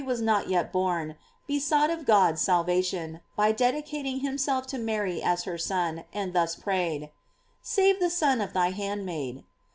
45 born, besought of God salvation, by dedicating himself to Mary as her son, and thus prayed; "Save the son of thy handmaid."